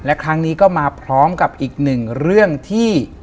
และครั้งนี้ก็มาพร้อมกับอีกหนึ่งเรื่องที่